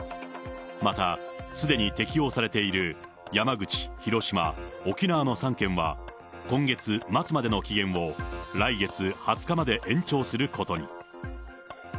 また、すでに適用されている山口、広島、沖縄の３県は、今月末までの期限を来月２０日まで延長することに。